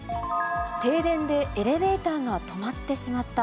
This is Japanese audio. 停電でエレベーターが止まってしまった。